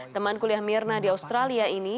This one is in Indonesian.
teman kuliah mirna di australia ini